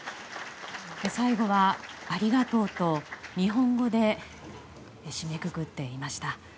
最後は、ありがとうと日本語で締めくくっていました。